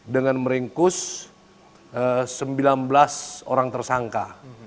dengan meringkus sembilan belas orang tersangka